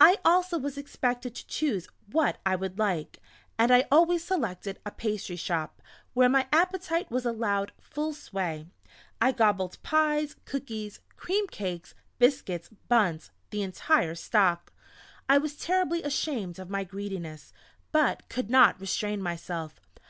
I also was expected to choose what I would like, and I always selected a pastry shop, where my appetite was allowed full sway. I gobbled pies, cookies, cream cakes, biscuits, buns the entire stock. I was terribly ashamed of my greediness, but could not restrain myself.